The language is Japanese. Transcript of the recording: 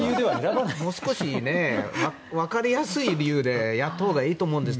もう少し分かりやすい理由でやったほうがいいと思うんです。